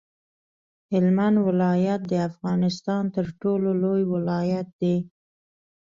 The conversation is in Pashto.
هلمند ولایت د افغانستان تر ټولو لوی ولایت دی.